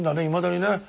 いまだにね。